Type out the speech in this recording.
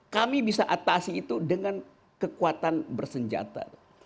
kami bisa atasi itu dengan kekuatan bersenjata